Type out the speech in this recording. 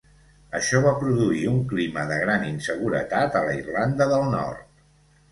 Això va produir un clima de gran inseguretat a la Irlanda del Nord.